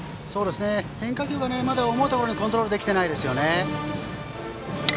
変化球がまだ思うところにコントロールできていませんね。